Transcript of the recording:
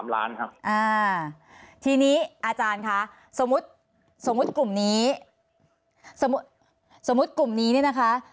๗๓ล้านครับทีนี้อาจารย์ค่ะสมมุติกลุ่มนี้สมมุติกลุ่มนี้นะคะ